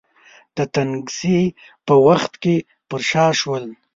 د تنګسې په وخت کې پر شا شول.